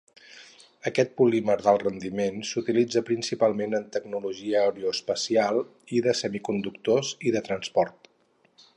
Aquest polímer d'alt rendiment s'utilitza principalment en tecnologia aeroespacial i de semiconductors i de transport.